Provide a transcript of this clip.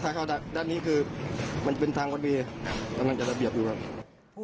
ต้องไล่จัดระเบียบดู